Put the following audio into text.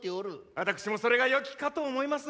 私もそれがよきかと思います。